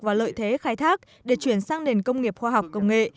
và lợi thế khai thác để chuyển sang nền công nghiệp khoa học công nghệ